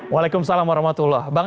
waalaikumsalam warahmatullahi wabarakatuh